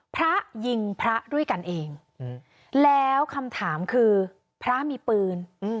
พระยิงพระด้วยกันเองแล้วคำถามคือพระมีปืน